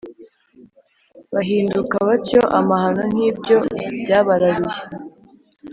bahinduka batyo amahano nk’ibyo byabararuye!